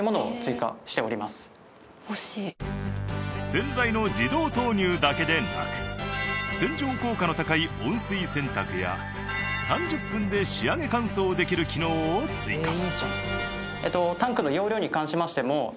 洗剤の自動投入だけでなく洗浄効果の高い温水洗濯や３０分で仕上げ乾燥できる機能を追加。